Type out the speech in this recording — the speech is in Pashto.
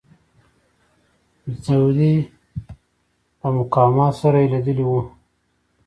د سعودي له مقاماتو سره یې لیدلي وو.